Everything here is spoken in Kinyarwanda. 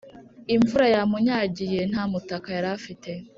imvura yamunyagiye ntamutaka yarafite